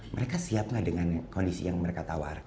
mereka siap gak dengan kondisi yang mereka tawar